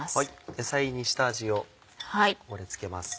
野菜に下味をここで付けます。